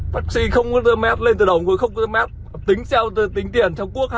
taxi không có công tương mét lên từ đồng hồ không có công tương mét tính tiền trong quốc hai trăm linh